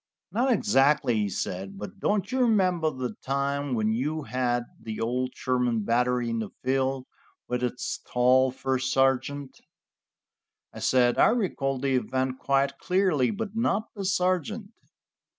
"Not exactly," he said, "but don't you remember the time when you had the old Sherman Battery in the field, with its tall first sergeant?" I said: "I recall the event quite clearly, but not the sergeant."